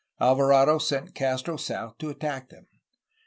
Alvarado sent Castro south to attack them.